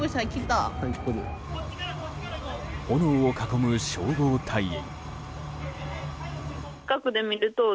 炎を囲む消防隊員。